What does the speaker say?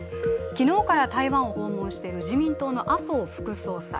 昨日から台湾を訪問している自民党の麻生副総裁。